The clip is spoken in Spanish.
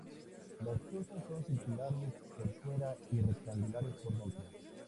Las chozas son circulares por fuera y rectangulares por dentro.